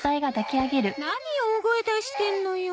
何大声出してんのよ。